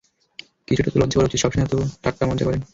কিছুটা তো লজ্জা করা উচিত, সবসময় শুধু ঠাট্টা মজা করেন।